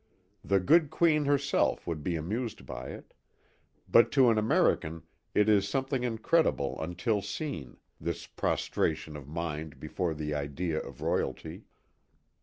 The good Queen herself would be amused by it ; but to an American it is some thing incredible until seen this prostration of mind before the idea of royalty.